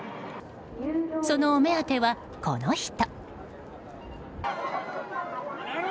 そのお目当てはこの人。